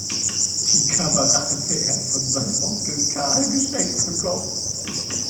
Die Kamera hatte er von seinem Onkel Carl geschenkt bekommen.